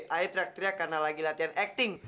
air teriak teriak karena lagi latihan acting